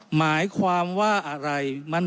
หมายความว่าอะไรมันไม่มี